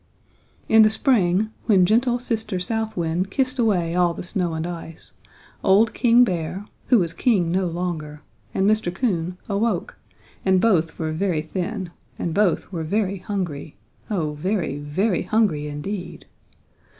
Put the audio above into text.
"In the spring, when gentle Sister South Wind kissed away all the snow and ice, old King Bear, who was king no longer, and Mr. Coon awoke and both were very thin, and both were very hungry, oh very, very hungry indeed.